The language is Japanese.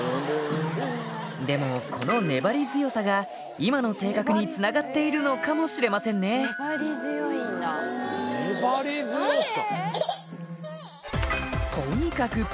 でもこの粘り強さが今の性格につながっているのかもしれませんね粘り強さ？